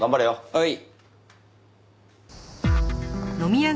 はい。